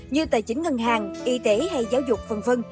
như tài chính ngân hàng y tế hay giáo dục v v